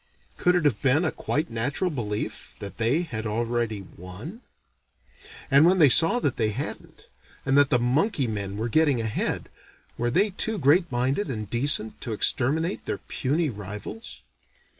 Could it have been a quite natural belief that they had already won? And when they saw that they hadn't, and that the monkey men were getting ahead, were they too great minded and decent to exterminate their puny rivals?